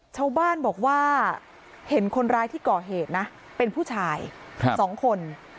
ชาวบ้านบอกว่าเห็นคนร้ายที่ก่อเหตุนะเป็นผู้ชาย๒คน